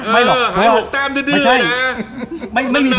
ไม่ใช่คู่แข่ง